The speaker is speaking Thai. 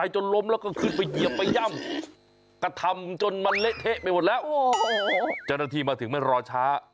เจ้าหน้าที่มาถึงมันรอช้า